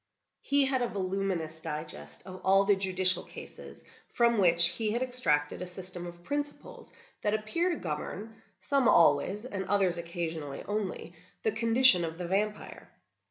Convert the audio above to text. He had a voluminous digest of all the judicial cases, from which he had extracted a system of principles that appear to govern—some always, and others occasionally only—the condition of the vampire.